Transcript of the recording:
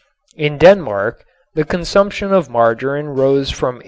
In Denmark the consumption of margarin rose from 8.